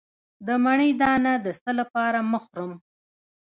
د مڼې دانه د څه لپاره مه خورم؟